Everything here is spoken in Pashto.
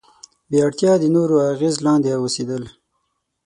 بې اړتیا د نورو اغیز لاندې اوسېدل.